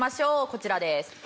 こちらです。